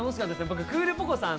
僕、クールポコさん